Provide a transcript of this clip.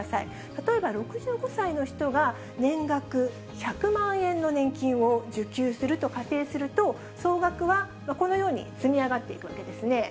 例えば６５歳の人が年額１００万円の年金を受給すると仮定すると、総額はこのように積み上がっていくわけですね。